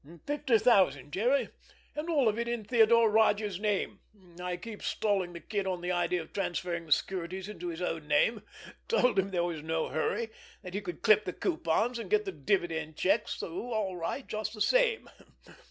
"Fifty thousand, Jerry, and all of it in Theodore Rodger's name—I kept stalling the kid on the idea of transferring the securities into his own name—told him there was no hurry—that he could clip the coupons and get the dividend checks through all right, just the same.